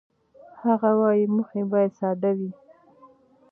هغه وايي، موخې باید ساده وي.